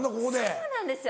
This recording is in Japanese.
そうなんですよ